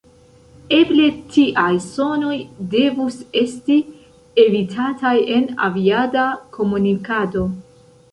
Eble tiaj sonoj devus esti evitataj en aviada komunikado.